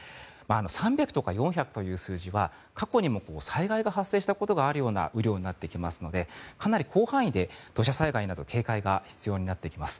３００とか４００という数字は過去にも災害が発生したことがあるような雨量になってきますのでかなり広範囲で土砂災害など警戒が必要になってきます。